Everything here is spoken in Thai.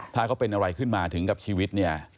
ถ้าเขาเป็นอะไรขึ้นมาถึงกับชีวิตเนี่ย